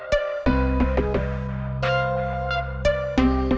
sementara lagi bu